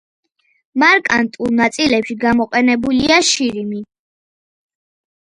მარკანტულ ნაწილებში გამოყენებულია შირიმი.